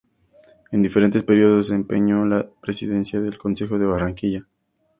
En diferentes períodos desempeñó la presidencia del concejo de Barranquilla.